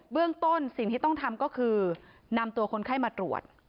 เรื่องต้นสิ่งที่ต้องทำก็คือนำตัวคนไข้มาตรวจ